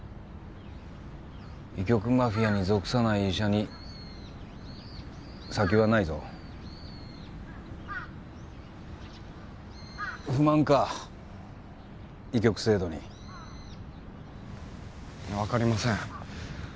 医局マフィアに属さない医者に先はないぞ不満か医局制度に分かりません